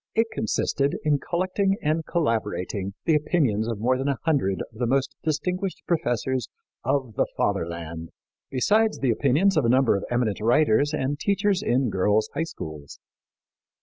It consisted in collecting and collaborating the opinions of more than a hundred of the most distinguished professors of the Fatherland, besides the opinions of a number of eminent writers and teachers in girls' high schools.